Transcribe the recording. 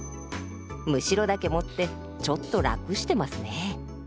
むしろだけ持ってちょっと楽してますね。